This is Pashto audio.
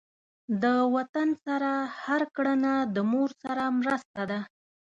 د وطن سره هر کړنه د مور سره مرسته ده.